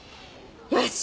よし！